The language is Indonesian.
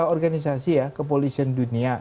organisasi ya kepolisian dunia